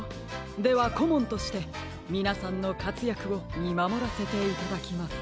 ではこもんとしてみなさんのかつやくをみまもらせていただきます。